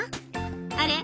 あれ？